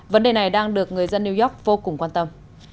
vấn đề này đang được người dân new york vô cùng quan tâm